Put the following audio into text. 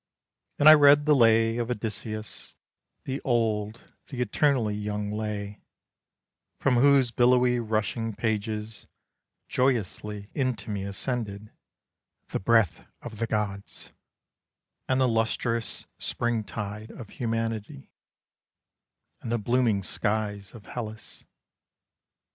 And I read the lay of Odysseus, The old, the eternally young lay, From whose billowy rushing pages Joyously into me ascended The breath of the gods, And the lustrous spring tide of humanity, And the blooming skies of Hellas.